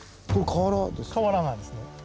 瓦なんですね。